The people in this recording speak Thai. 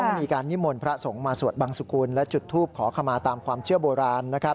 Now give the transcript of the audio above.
มีการนิมนต์พระสงฆ์มาสวดบังสุกุลและจุดทูปขอขมาตามความเชื่อโบราณนะครับ